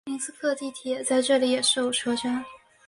明斯克地铁在这里也设有车站。